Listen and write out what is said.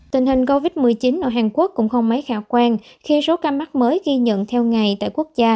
tình hình covid một mươi chín ở hàn quốc cũng không mấy khả quan khi số ca mắc mới ghi nhận theo ngày tại quốc gia